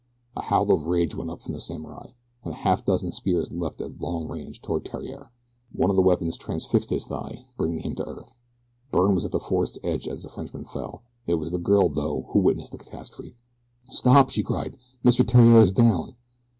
A howl of rage went up from the samurai, and a half dozen spears leaped at long range toward Theriere. One of the weapons transfixed his thigh, bringing him to earth. Byrne was at the forest's edge as the Frenchman fell it was the girl, though, who witnessed the catastrophe. "Stop!" she cried. "Mr. Theriere is down."